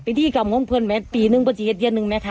พิธีกับห้องเพื่อนไหมปีหนึ่งประจีนเยอะเยอะหนึ่งไหมค่ะ